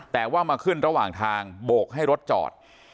แต่ว่ามาขึ้นระหว่างทางโบกให้รถจอด